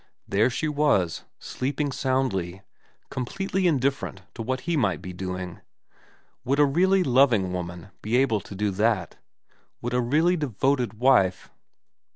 There she was, sleeping soundly, com pletely indifferent to what he might be doing. Would a really loving woman be able to do that ? Would a really devoted wife